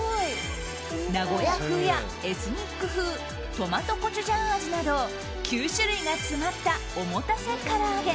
名古屋風やエスニック風トマトコチュジャン味など９種類が詰まったおもたせ唐揚げ。